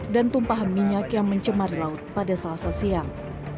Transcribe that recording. tumpahan minyak yang mencemari laut pada selasa siang